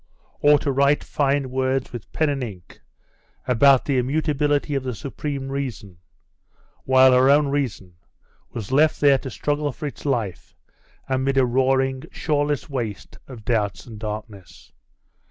or to write fine words with pen and ink about the immutability of the supreme Reason, while her own reason was left there to struggle for its life amid a roaring shoreless waste of doubts and darkness?